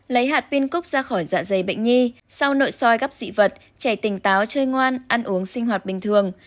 lấy hạt pin cúc ra khỏi dạ dày bệnh nhi sau nội soi gấp dị vật trẻ tỉnh táo chơi ngoan ăn uống sinh hoạt bình thường